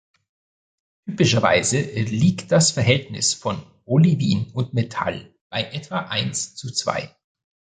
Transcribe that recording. Typischerweise liegt das Verhältnis von Olivin und Metall bei etwa eins zu zwei.